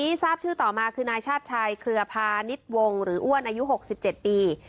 ทราบชื่อต่อมาคือนายชาติชายเครือพาณิชวงหรืออ้วนอายุ๖๗ปี